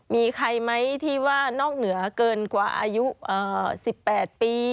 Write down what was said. มีใครไหมที่ว่านอกเหนือเกินกว่าอายุ๑๘ปี